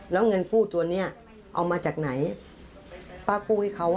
แล้วเงินกู้ตัวเนี้ยเอามาจากไหนป้ากู้ให้เขา